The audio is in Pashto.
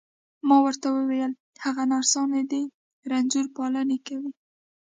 ما ورته وویل: هغوی نرسانې دي، رنځور پالني کوي.